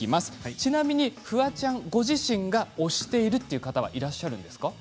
ちなみにフワちゃんご自身が推しているという方はいらっしゃいますか。